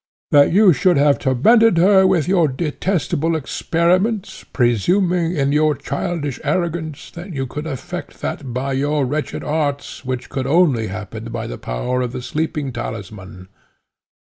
That you should have tormented her with your detestable experiments, presuming, in your childish arrogance, that you could effect that by your wretched arts, which could only happen by the power of that sleeping talisman.